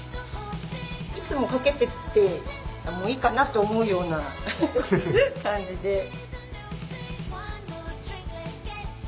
いつも掛けててもいいかなと思うような感じで。